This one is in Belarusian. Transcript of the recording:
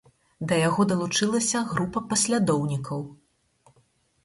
Да яго далучылася група паслядоўнікаў.